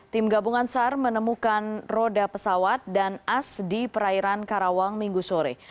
tim gabungan sar menemukan roda pesawat dan as di perairan karawang minggu sore